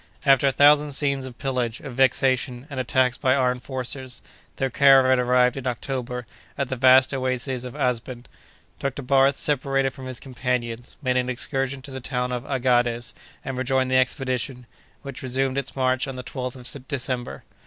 After a thousand scenes of pillage, of vexation, and attacks by armed forces, their caravan arrived, in October, at the vast oasis of Asben. Dr. Barth separated from his companions, made an excursion to the town of Aghades, and rejoined the expedition, which resumed its march on the 12th of December.